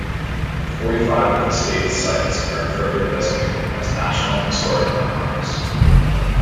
Forty-five of the state's sites are further designated as National Historic Landmarks.